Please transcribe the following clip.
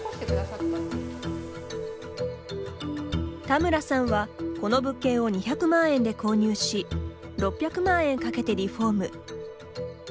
田村さんはこの物件を２００万円で購入し６００万円かけてリフォーム。